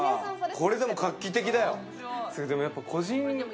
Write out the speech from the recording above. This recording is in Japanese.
これ、でも画期的だよ。